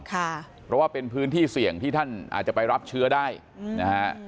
เพราะว่าเป็นพื้นที่เสี่ยงที่ท่านอาจจะไปรับเชื้อได้นะฮะ